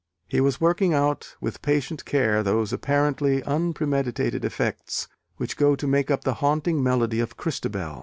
He was working out with patient care those apparently unpremeditated effects which go to make up the haunting melody of Christabel.